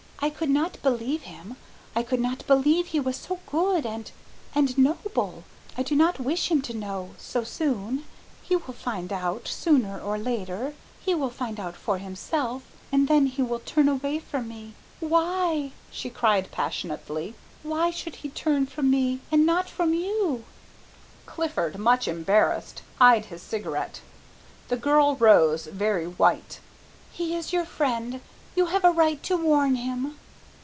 I could not believe him, I could not believe he was so good and and noble. I do not wish him to know so soon. He will find out sooner or later, he will find out for himself, and then he will turn away from me. Why!" she cried passionately, "why should he turn from me and not from you?" Clifford, much embarrassed, eyed his cigarette. The girl rose, very white. "He is your friend you have a right to warn him."